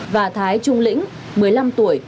và thái trung lĩnh một mươi năm tuổi